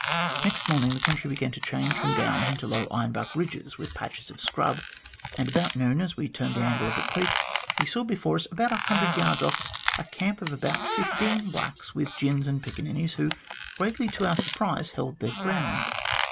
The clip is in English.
Next morning the country began to change from downs into low iron bark ridges with patches of scrub, and about noon, as we turned the angle of a creek, we saw before us, about a hundred yards off, a camp of about fifteen blacks, with gins and piccaninies, who, greatly to our surprise, held their ground.